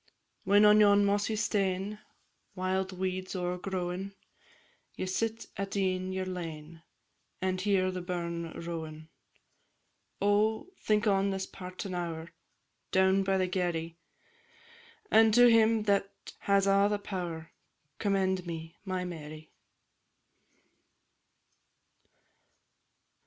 When on yon mossy stane, Wild weeds o'ergrowin', Ye sit at e'en your lane, And hear the burn rowin'; Oh! think on this partin' hour, Down by the Garry, And to Him that has a' the pow'r, Commend me, my Mary!